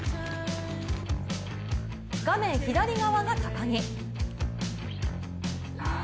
画面左側が高木。